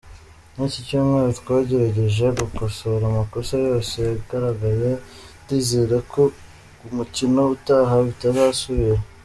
Muri iki cyumweru twagerageje gukosora amakosa yose yagaragaye ndizera ko ku mukino utaha bitazasubira.